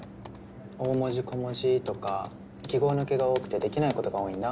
大文字小文字とか記号抜けが多くてできない事が多いんだ。